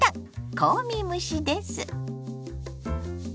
香味蒸しです。